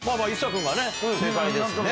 君がね正解ですね。